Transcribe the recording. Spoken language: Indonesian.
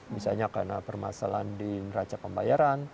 misalnya karena permasalahan di neraca pembayaran